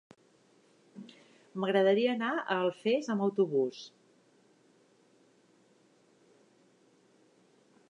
M'agradaria anar a Alfés amb autobús.